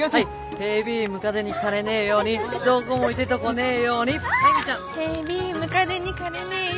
「ヘビムカデにかれねえようにどごもいでどごねえように」。